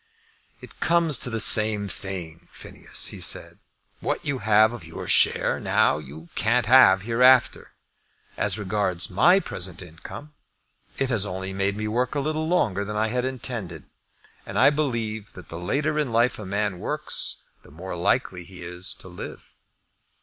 "It comes to the same thing, Phineas," he said. "What you have of your share now you can't have hereafter. As regards my present income, it has only made me work a little longer than I had intended; and I believe that the later in life a man works, the more likely he is to live."